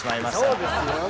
そうですよ。